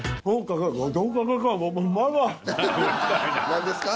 何ですか？